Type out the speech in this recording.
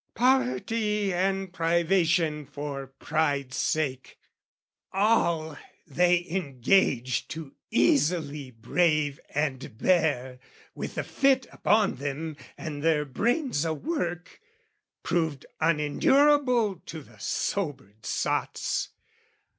Poverty and privation for pride's sake, All they engaged to easily brave and bear, With the fit upon them and their brains a work, Proved unendurable to the sobered sots.